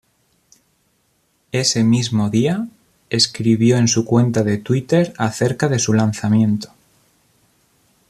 Ese mismo día, escribió en su cuenta de Twitter acerca de su lanzamiento.